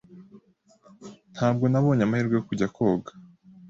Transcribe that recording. Ntabwo nabonye amahirwe yo kujya koga.